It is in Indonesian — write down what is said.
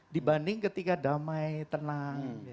dibanding ketika damai tenang